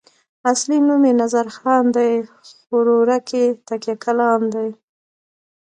اصلي نوم یې نظرخان دی خو ورورک یې تکیه کلام دی.